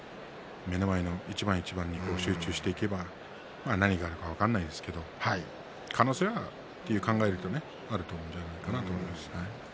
目の前の一番一番に集中していけば何があるか分からないですけど可能性は考えるとあると思います。